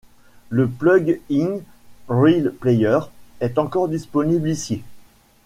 Le plug-in RealPlayer est encore disponible ici.